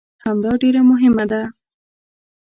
همدا ډېره مهمه ده.